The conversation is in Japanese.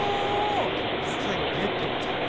そして最後ネットをつけて。